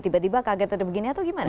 tiba tiba kaget ada begini atau gimana